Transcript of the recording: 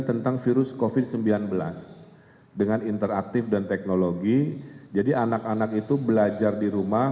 tentang virus kofit sembilan belas dengan interaktif dan teknologi jadi anak anak itu belajar di rumah